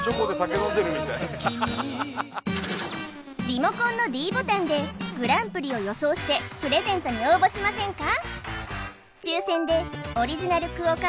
リモコンのｄボタンでグランプリを予想してプレゼントに応募しませんか？